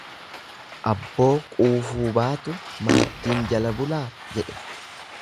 Aabboo quufuu baatu maaddiin jala bulaa jedhe.